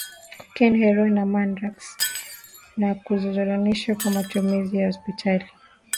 cocaine heroin na mandrax na zinazoruhusiwa kwa matumizi ya hospitali